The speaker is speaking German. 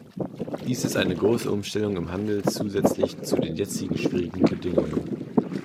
Dies ist eine große Umstellung im Handel zusätzlich zu den jetzigen schwierigen Bedingungen.